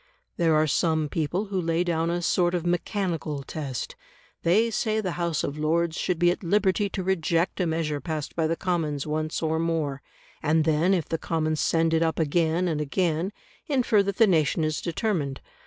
There are some people who lay down a sort of mechanical test; they say the House of Lords should be at liberty to reject a measure passed by the Commons once or more, and then if the Commons send it up again and again, infer that the nation is determined.